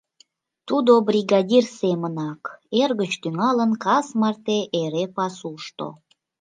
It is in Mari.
Тудо бригадир семынак, эр гыч тӱҥалын, кас марте эре пасушто.